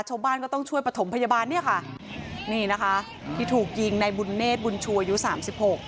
ชาวบ้านก็ต้องช่วยประถมพยาบาลเนี่ยค่ะนี่นะคะที่ถูกยิงในบุญเนธบุญชูอายุสามสิบหก